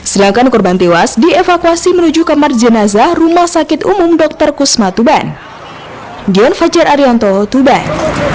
sedangkan korban tewas dievakuasi menuju kamar jenazah rumah sakit umum dr kusma tuban